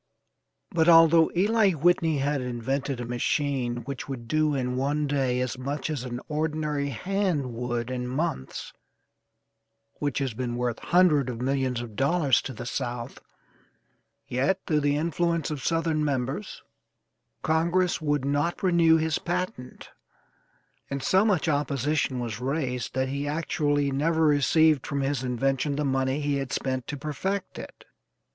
But, although Eli Whitney had invented a machine which would do in one day as much as an ordinary hand would in months, which has been worth hundred of millions of dollars to the South; yet, through the influence of Southern members, Congress would not renew his patent, and so much opposition was raised that he actually never received from his invention the money he had spent to perfect it.